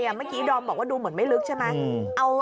เมื่อกี้ดอมบอกว่าดูเหมือนไม่ลึกใช่ไหม